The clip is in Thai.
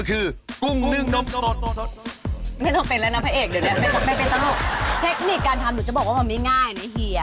ซึ้งเลยนี่ไง